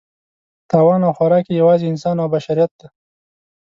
تاوان او خوراک یې یوازې انسان او بشریت دی.